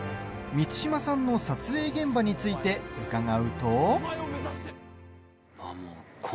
満島さんの撮影現場について伺うと。